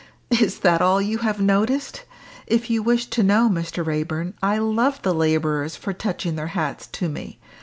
"Is that all you have noticed? If you wish to know, Mr. Raeburn, I love the labourers for touching their hats to me.